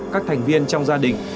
các thành viên trong gia đình